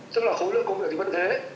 chứ là khối lượng công việc thì vẫn thế